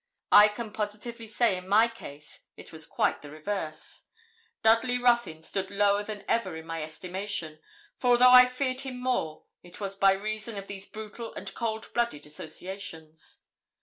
I can positively say in my case it was quite the reverse. Dudley Ruthyn stood lower than ever in my estimation; for though I feared him more, it was by reason of these brutal and cold blooded associations.